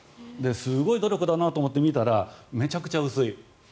すごい努力だと思って見たらめちゃくちゃ薄い。